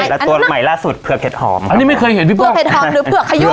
แล้วตัวใหม่ล่าสุดเผือกเห็ดหอมอันนี้ไม่เคยเห็นพี่ปุกเห็ดหอมหรือเผือกขยุ